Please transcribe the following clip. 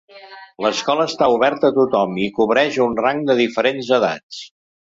L'escola està oberta a tothom i cobreix un rang de diferents edats.